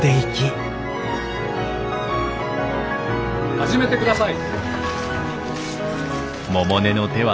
始めてください。